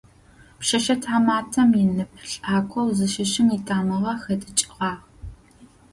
Пшъэшъэ тхьаматэм инып лӏакъоу зыщыщым итамыгъэ хэдыкӏыгъагъ.